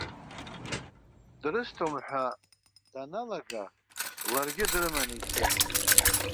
Дрысҭом ҳәа даналага, ларгьы дрыманы ицеит.